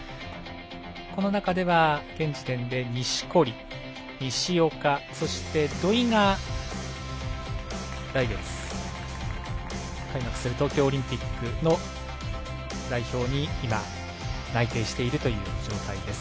この中では現時点で錦織、西岡そして、土居が来月開幕する東京オリンピックの代表に内定しているという状態です。